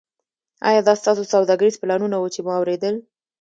ایا دا ستاسو سوداګریز پلانونه وو چې ما اوریدل